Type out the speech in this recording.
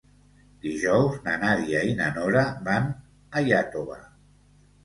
Dijous na Nàdia i na Nora van a Iàtova.